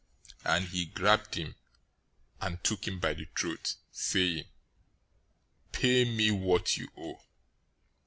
} and he grabbed him, and took him by the throat, saying, 'Pay me what you owe!'